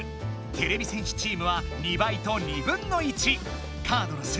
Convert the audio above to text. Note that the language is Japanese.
てれび戦士チームは「２倍」と「２分の１」。